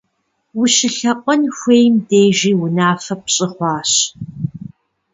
УщылъэӀуэн хуейм дежи унафэ пщӀы хъуащ.